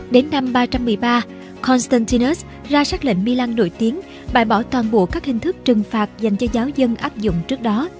đến năm ba trăm một mươi ba constantinus ra sát lệnh milan nổi tiếng bại bỏ toàn bộ các hình thức trừng phạt dành cho giáo dân áp dụng trước đó